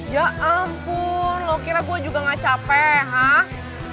ya ampun lo kira gue juga gak capek kan